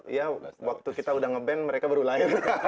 iya waktu kita udah ngeband mereka baru lain